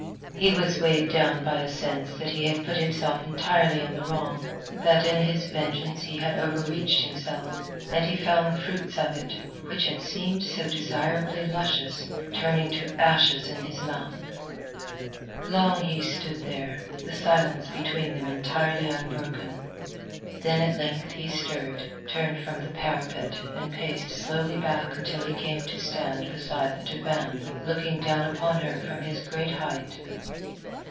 He was weighed down by a sense that he had put himself entirely in the wrong; that in his vengeance he had overreached himself; and he found the fruits of it, which had seemed so desirably luscious, turning to ashes in his mouth. Long he stood there, the silence between them entirely unbroken. Then at length he stirred, turned from the parapet, and paced slowly back until he came to stand beside the divan, looking down upon her from his great height.